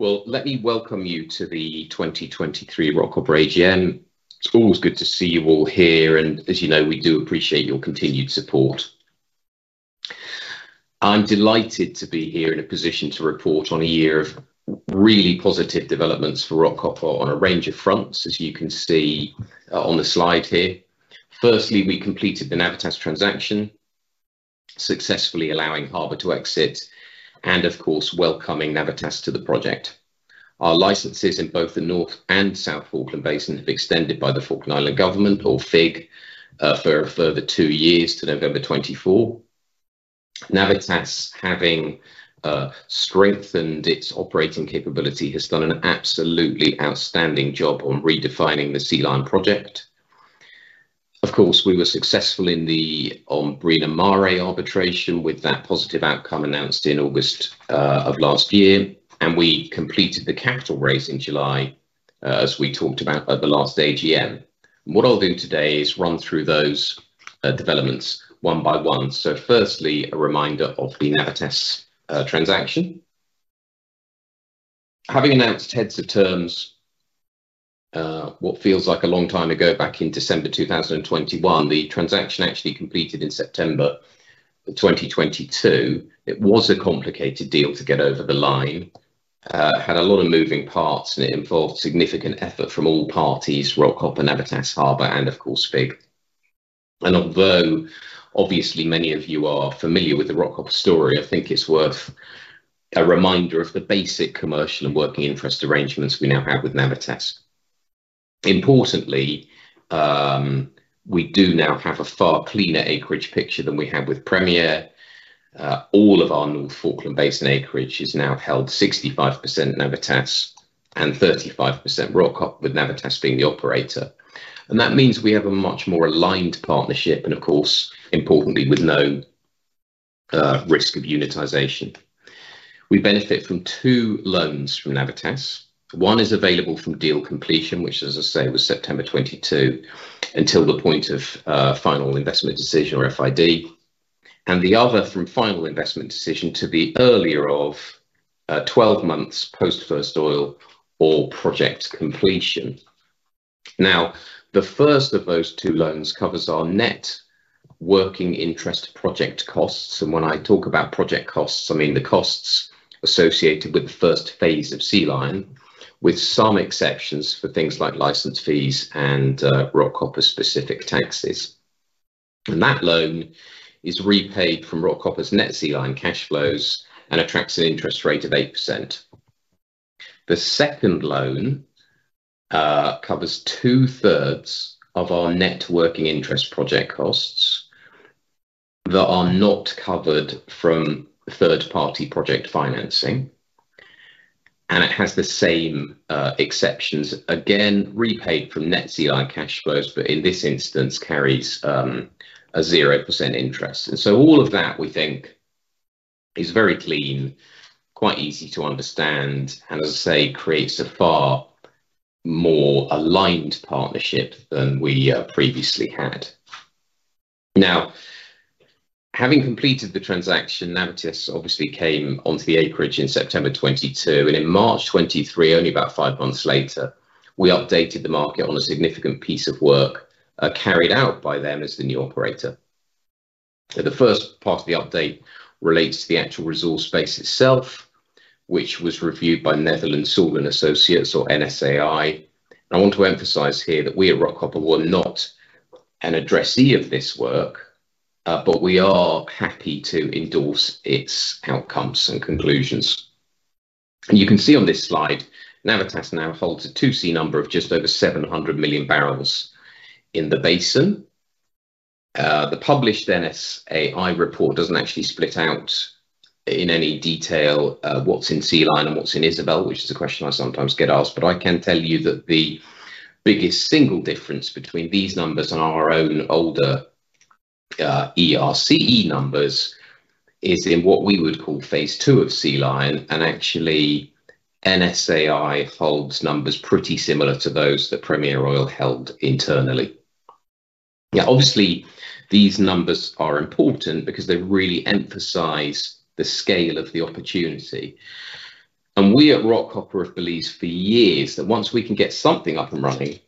Well, let me welcome you to the 2023 Rockhopper AGM. It's always good to see you all here, and as you know, we do appreciate your continued support. I'm delighted to be here in a position to report on a year of really positive developments for Rockhopper on a range of fronts, as you can see on the slide here. Firstly, we completed the Navitas transaction, successfully allowing Harbour to exit and of course, welcoming Navitas to the project. Our licenses in both the North and South Falkland Basin have extended by the Falkland Islands Government or FIG for a further two years to November 2024. Navitas having strengthened its operating capability, has done an absolutely outstanding job on redefining the Sea Lion project. Of course, we were successful in the Ombrina Mare arbitration with that positive outcome announced in August of last year, and we completed the capital raise in July as we talked about at the last AGM. What I'll do today is run through those developments one by one. Firstly, a reminder of the Navitas transaction. Having announced heads of terms what feels like a long time ago back in December 2021, the transaction actually completed in September 2022. It was a complicated deal to get over the line. Had a lot of moving parts, and it involved significant effort from all parties, Rockhopper, Navitas, Harbour, and of course FIG. Although obviously many of you are familiar with the Rockhopper story, I think it's worth a reminder of the basic commercial and working interest arrangements we now have with Navitas. Importantly, we do now have a far cleaner acreage picture than we had with Premier. All of our North Falkland Basin acreage is now held 65% Navitas and 35% Rockhopper, with Navitas being the operator. That means we have a much more aligned partnership and of course, importantly with no risk of unitization. We benefit from two loans from Navitas. One is available from deal completion, which as I say, was September 2022, until the point of final investment decision or FID. The other from final investment decision to the earlier of 12 months post first oil or project completion. Now, the first of those two loans covers our net working interest project costs. When I talk about project costs, I mean the costs associated with the first phase of Sea Lion, with some exceptions for things like license fees and Rockhopper-specific taxes. That loan is repaid from Rockhopper's net Sea Lion cash flows and attracts an interest rate of 8%. The second loan covers two-thirds of our net working interest project costs that are not covered from third-party project financing, and it has the same exceptions, again, repaid from net Sea Lion cash flows, but in this instance carries a 0% interest. All of that we think is very clean, quite easy to understand, and as I say, creates a far more aligned partnership than we previously had. Now, having completed the transaction, Navitas obviously came onto the acreage in September 2022, and in March 2023, only about five months later, we updated the market on a significant piece of work carried out by them as the new operator. The first part of the update relates to the actual resource base itself, which was reviewed by Netherland, Sewell & Associates or NSAI. I want to emphasize here that we at Rockhopper were not an addressee of this work, but we are happy to endorse its outcomes and conclusions. You can see on this slide, Navitas now holds a 2C number of just over 700 million barrels in the basin. The published NSAI report doesn't actually split out in any detail what's in Sea Lion and what's in Isobel, which is a question I sometimes get asked. I can tell you that the biggest single difference between these numbers and our own older, ERCE numbers is in what we would call phase II of Sea Lion, and actually NSAI holds numbers pretty similar to those that Premier Oil held internally. Yeah, obviously these numbers are important because they really emphasize the scale of the opportunity. We at Rockhopper have believed for years that once we can get something up and running,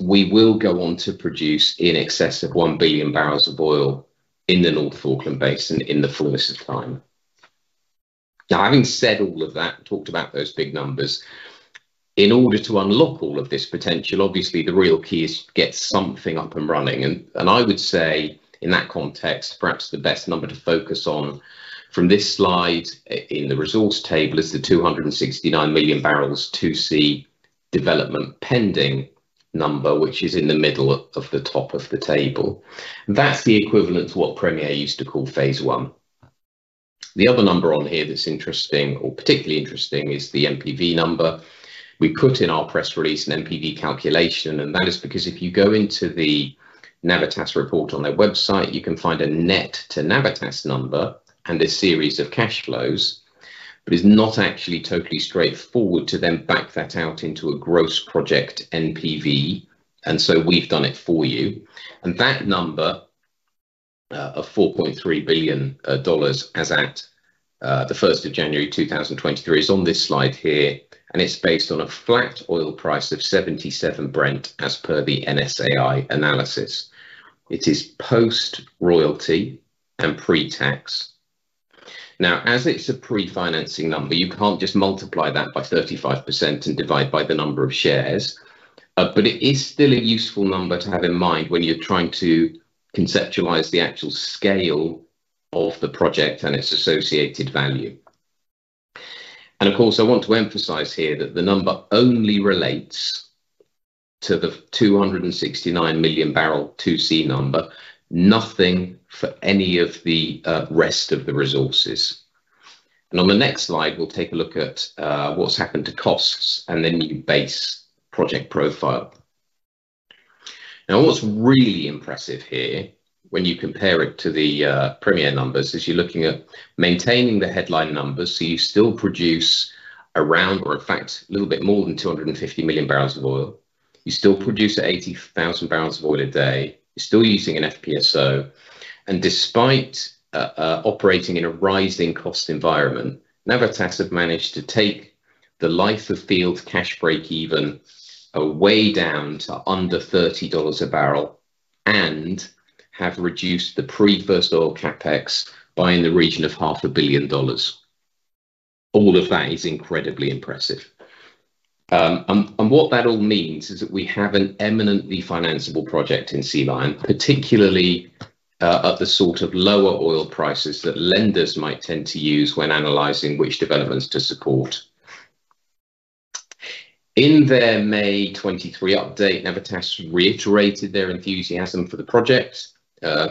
we will go on to produce in excess of 1 billion barrels of oil in the North Falkland Basin in the fullness of time. Now, having said all of that and talked about those big numbers, in order to unlock all of this potential, obviously the real key is to get something up and running. I would say in that context, perhaps the best number to focus on from this slide in the resource table is the 269 million barrels 2C development pending number, which is in the middle of the top of the table. That's the equivalent to what Premier used to call phase I. The other number on here that's interesting or particularly interesting is the NPV number. We put in our press release an NPV calculation, and that is because if you go into the Navitas report on their website, you can find a net-to-Navitas number and a series of cash flows. It's not actually totally straightforward to then back that out into a gross project NPV, and so we've done it for you. That number of $4.3 billion as at January 1st, 2023 is on this slide here, and it's based on a flat oil price of 77 Brent as per the NSAI analysis. It is post-royalty and pre-tax. Now, as it's a pre-financing number, you can't just multiply that by 35% and divide by the number of shares. But it is still a useful number to have in mind when you're trying to conceptualize the actual scale of the project and its associated value. Of course, I want to emphasize here that the number only relates to the 269 million barrel 2C number. Nothing for any of the rest of the resources. On the next slide, we'll take a look at what's happened to costs and the new base project profile. Now, what's really impressive here when you compare it to the Premier numbers is you're looking at maintaining the headline numbers, so you still produce around or in fact a little bit more than 250 million barrels of oil. You still produce 80,000 barrels of oil a day. You're still using an FPSO. Despite operating in a rising cost environment, Navitas have managed to take the life of field cash break-even way down to under $30 a barrel and have reduced the pre-first oil CapEx by in the region of half a billion dollars. All of that is incredibly impressive. What that all means is that we have an eminently financiable project in Sea Lion, particularly at the sort of lower oil prices that lenders might tend to use when analyzing which developments to support. In their May 2023 update, Navitas reiterated their enthusiasm for the project,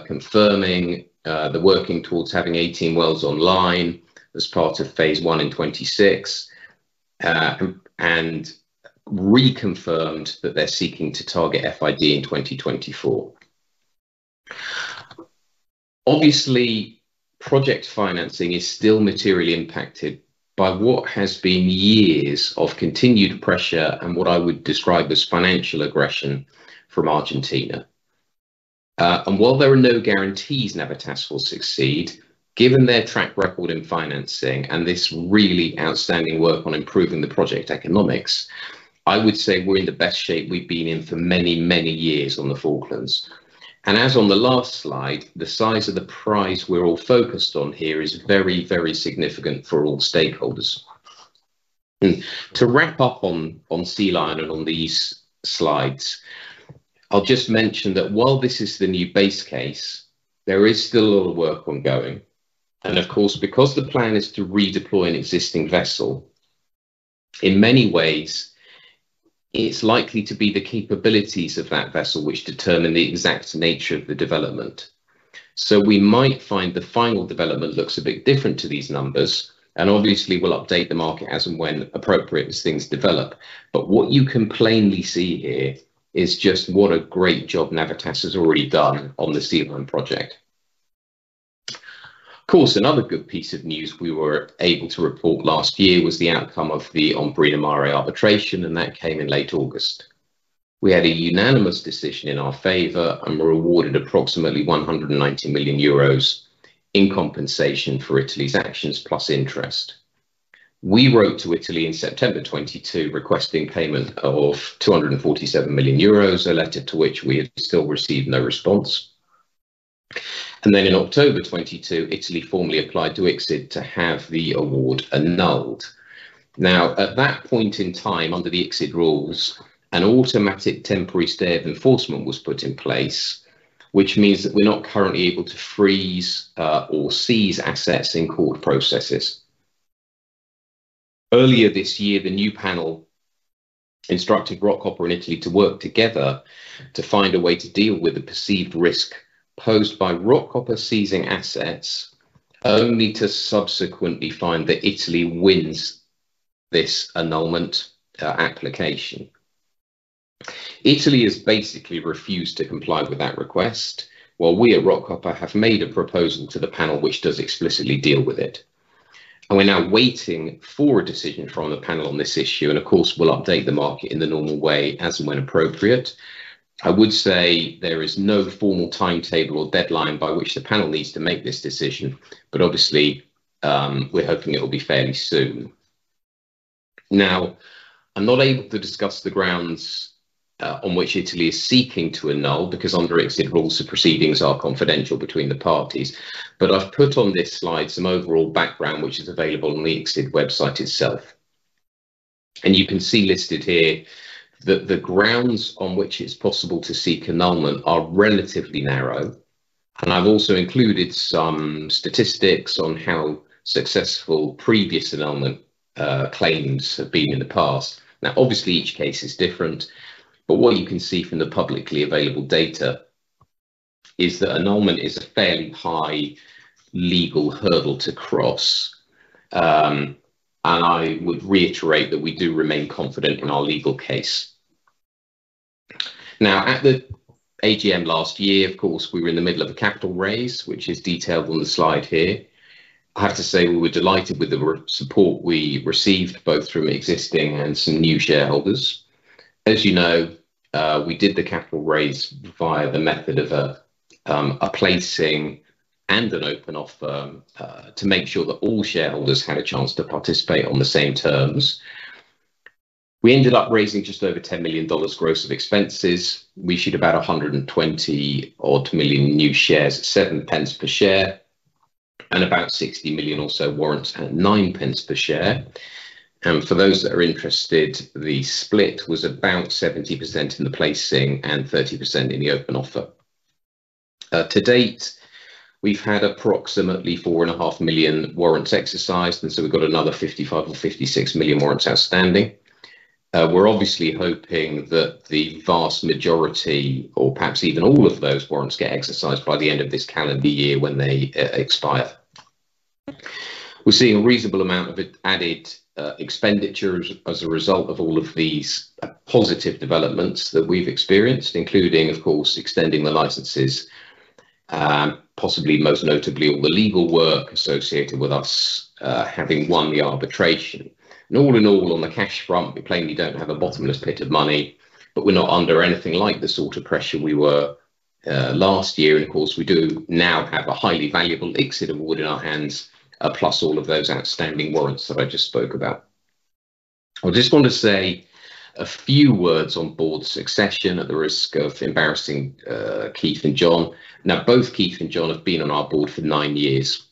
confirming they're working towards having 18 wells online as part of phase I in 2026. Reconfirmed that they're seeking to target FID in 2024. Obviously, project financing is still materially impacted by what has been years of continued pressure and what I would describe as financial aggression from Argentina. While there are no guarantees Navitas will succeed, given their track record in financing and this really outstanding work on improving the project economics, I would say we're in the best shape we've been in for many, many years on the Falklands. As on the last slide, the size of the prize we're all focused on here is very, very significant for all stakeholders. To wrap up on Sea Lion and on these slides, I'll just mention that while this is the new base case, there is still a lot of work ongoing. Of course, because the plan is to redeploy an existing vessel, in many ways it's likely to be the capabilities of that vessel which determine the exact nature of the development. We might find the final development looks a bit different to these numbers, and obviously we'll update the market as and when appropriate as things develop. What you can plainly see here is just what a great job Navitas has already done on the Sea Lion project. Of course, another good piece of news we were able to report last year was the outcome of the Ombrina Mare arbitration, and that came in late August. We had a unanimous decision in our favor and were awarded approximately 190 million euros in compensation for Italy's actions plus interest. We wrote to Italy in September 2022 requesting payment of 247 million euros, a letter to which we have still received no response. In October 2022, Italy formally applied to ICSID to have the award annulled. Now, at that point in time, under the ICSID rules, an automatic temporary stay of enforcement was put in place, which means that we're not currently able to freeze or seize assets in court processes. Earlier this year, the new panel instructed Rockhopper and Italy to work together to find a way to deal with the perceived risk posed by Rockhopper seizing assets, only to subsequently find that Italy wins this annulment application. Italy has basically refused to comply with that request, while we at Rockhopper have made a proposal to the panel which does explicitly deal with it. We're now waiting for a decision from the panel on this issue, and of course, we'll update the market in the normal way as and when appropriate. I would say there is no formal timetable or deadline by which the panel needs to make this decision, but obviously, we're hoping it will be fairly soon. Now, I'm not able to discuss the grounds on which Italy is seeking to annul because under ICSID rules, the proceedings are confidential between the parties. I've put on this slide some overall background which is available on the ICSID website itself. You can see listed here that the grounds on which it's possible to seek annulment are relatively narrow. I've also included some statistics on how successful previous annulment claims have been in the past. Now, obviously each case is different, but what you can see from the publicly available data is that annulment is a fairly high legal hurdle to cross. I would reiterate that we do remain confident in our legal case. Now, at the AGM last year, of course, we were in the middle of a capital raise, which is detailed on the slide here. I have to say we were delighted with the support we received both from existing and some new shareholders. As you know, we did the capital raise via the method of a placing and an open offer to make sure that all shareholders had a chance to participate on the same terms. We ended up raising just over $10 million gross of expenses. We issued about 120 million new shares at 0.07 Per share, and about 60 million or so warrants at 0.09 Per share. For those that are interested, the split was about 70% in the placing and 30% in the open offer. To date, we've had approximately 4.5 million warrants exercised, and so we've got another 55 or 56 million warrants outstanding. We're obviously hoping that the vast majority, or perhaps even all of those warrants, get exercised by the end of this calendar year when they expire. We're seeing a reasonable amount of added expenditure as a result of all of these positive developments that we've experienced, including, of course, extending the licenses, possibly most notably all the legal work associated with us having won the arbitration. All in all, on the cash front, we plainly don't have a bottomless pit of money, but we're not under anything like the sort of pressure we were last year, and of course, we do now have a highly valuable exit award in our hands, plus all of those outstanding warrants that I just spoke about. I just want to say a few words on board succession at the risk of embarrassing Keith and John. Now, both Keith and John have been on our board for nine years,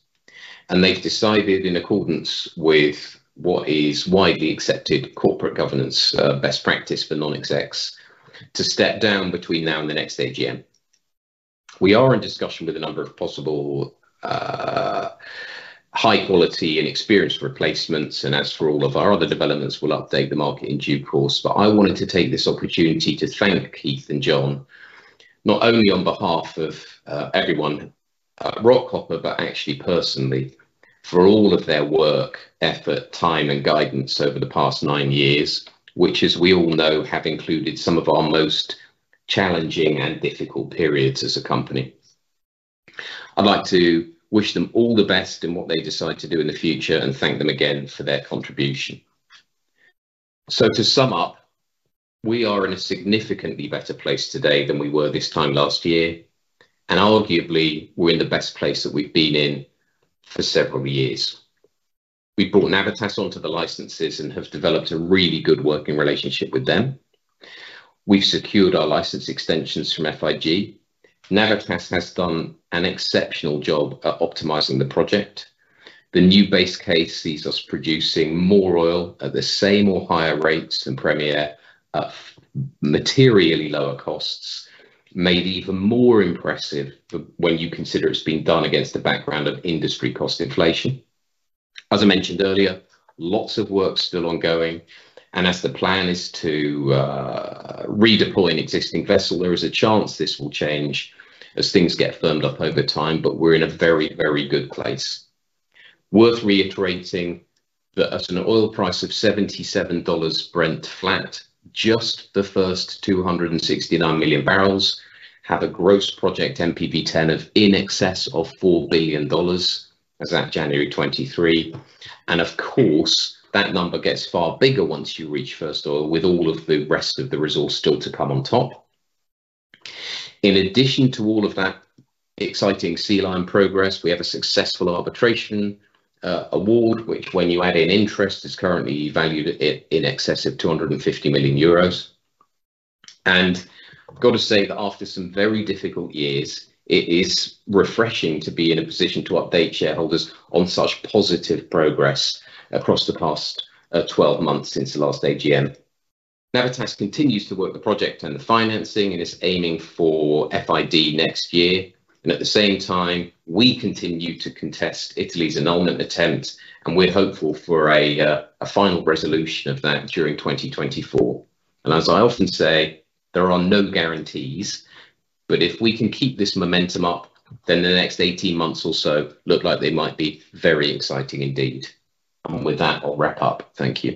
and they've decided, in accordance with what is widely accepted corporate governance, best practice for non-execs, to step down between now and the next AGM. We are in discussion with a number of possible, high quality and experienced replacements, and as for all of our other developments, we'll update the market in due course. I wanted to take this opportunity to thank Keith and John, not only on behalf of everyone at Rockhopper, but actually personally for all of their work, effort, time, and guidance over the past nine years, which, as we all know, have included some of our most challenging and difficult periods as a company. I'd like to wish them all the best in what they decide to do in the future and thank them again for their contribution. To sum up, we are in a significantly better place today than we were this time last year, and arguably we're in the best place that we've been in for several years. We brought Navitas onto the licenses and have developed a really good working relationship with them. We've secured our license extensions from FIG. Navitas has done an exceptional job at optimizing the project. The new base case sees us producing more oil at the same or higher rates than Premier at materially lower costs, made even more impressive when you consider it's being done against a background of industry cost inflation. As I mentioned earlier, lots of work still ongoing, and as the plan is to redeploy an existing vessel, there is a chance this will change as things get firmed up over time, but we're in a very, very good place. Worth reiterating that at an oil price of $77 Brent flat, just the first 269 million barrels have a gross project NPV10 of in excess of $4 billion as at January 2023. Of course, that number gets far bigger once you reach first oil with all of the rest of the resource still to come on top. In addition to all of that exciting Sea Lion progress, we have a successful arbitration award, which when you add in interest, is currently valued at in excess of 250 million euros. I've got to say that after some very difficult years, it is refreshing to be in a position to update shareholders on such positive progress across the past 12 months since the last AGM. Navitas continues to work the project and the financing and is aiming for FID next year. At the same time, we continue to contest Italy's annulment attempt, and we're hopeful for a final resolution of that during 2024. As I often say, there are no guarantees, but if we can keep this momentum up, then the next 18 months or so look like they might be very exciting indeed. With that, I'll wrap up. Thank you.